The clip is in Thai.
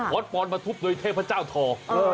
พอพอนทุบโดยเทพเจ้าธร